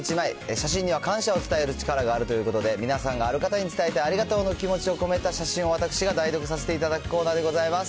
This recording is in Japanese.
写真には感謝を伝える力があるということで、皆さんがある方に伝えたいありがとうの気持ちを込めた写真を私が代読させていただくコーナーでございます。